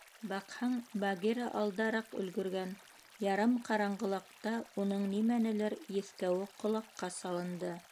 Баҡһаң, Багира алдараҡ өлгөргән, ярым ҡараңғылыҡта уның нимәнелер еҫкәүе ҡолаҡҡа салынды.